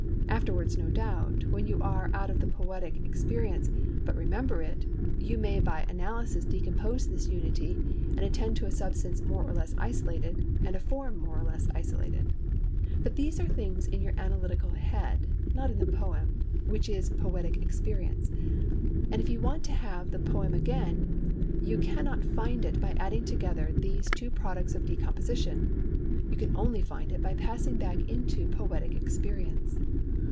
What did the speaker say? Afterwards, no doubt, when you are out of the poetic experience, but remember it, you may by analysis decompose this unity, and attend to a substance more or less isolated, and a form more or less isolated. But these are things in your analytic head, not in the poem, which is poetic experience. And if you want to have the poem again, you cannot find it by adding together these two products of decomposition; you can only find it by passing back into poetic experience.